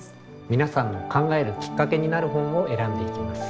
皆さんの考えるきっかけになる本を選んでいきます。